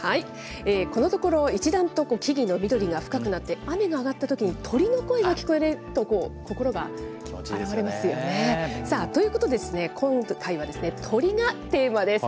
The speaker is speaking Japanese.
このところ、一段と木々の緑が深くなって、雨が上がったとき鳥の声が聞こえると心が洗われますよね。ということで、今回は鳥がテーマです。